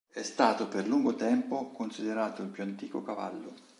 È stato per lungo tempo considerato il più antico cavallo.